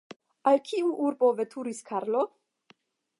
Al kiu urbo veturis Karlo?